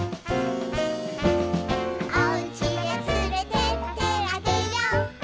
「おうちへつれてってあげよ」